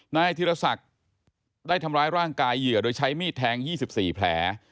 นายธิรศักดิ์ได้ทำร้ายร่างกายเหยื่อโดยใช้มีดแทง๒๔แผล